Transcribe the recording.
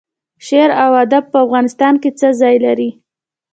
شعر او ادب په افغانستان کې څه ځای لري؟